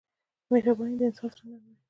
مهرباني د انسان زړه نرموي.